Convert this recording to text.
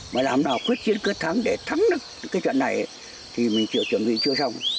mà làm nào quyết chiến quyết thắng để thắng được cái trận này thì mình chưa chuẩn bị chưa xong